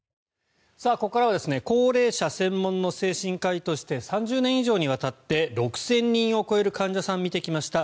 ここからは高齢者専門の精神科医として３０年以上にわたって６０００人を超える患者さんを診てきました